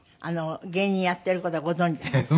芸人やってる事はご存じだった？